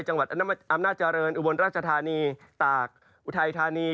จังหวัดอำนาจริงอุบลราชธานีตากอุทัยธานี